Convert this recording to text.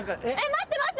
待って待って。